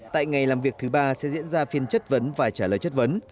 tại ngày làm việc thứ ba sẽ diễn ra phiên chất vấn và trả lời chất vấn